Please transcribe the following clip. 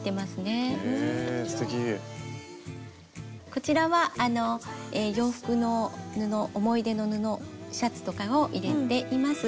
こちらは洋服の布思い出の布シャツとかを入れています。